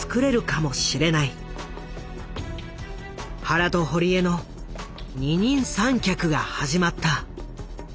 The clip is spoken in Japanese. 原と堀江の二人三脚が始まった。